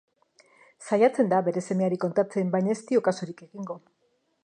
Saiatzen da bere semeari kontatzen baina ez dio kasurik egingo.